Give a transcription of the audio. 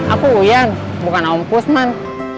aku uyan bukan om kusman